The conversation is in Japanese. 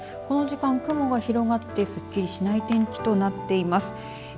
この時間、雲が広がってすっきりしない天気となっています。